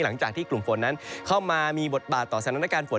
หลังจากที่กลุ่มฝนนั้นเข้ามามีบทบาทต่อสถานการณ์ฝน